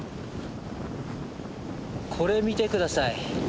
これ見て下さい。